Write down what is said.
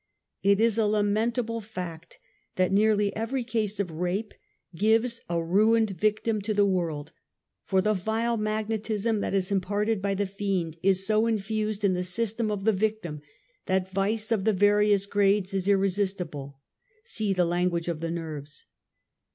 It is a lamentable fact that nearly every case of rape, gives a ruined victim to the world, for the vile magnetism that is imparted by the fiend, is so infused in the system of the victim that vice of the various grades is irresistible, (see the Language of the ITerves.)